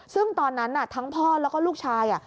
ซึ่งตอนนั้นทั้งพ่อแล้วก็ลูกชาย